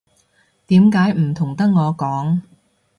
點解唔同得我講